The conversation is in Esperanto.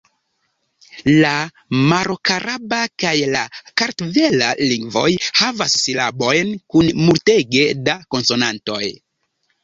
La marokaraba kaj la kartvela lingvoj havas silabojn kun multege da konsonantoj.